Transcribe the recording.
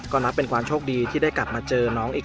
ก็นับเป็นความโชคดีที่ได้กลับมาเจอน้องอีกครั้ง